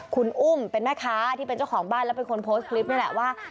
คุณอุ้มเป็นแม่ค้าที่เป็นเจ้าของบ้านแล้วเป็นคนโพสต์คลิปนี่แหละว่า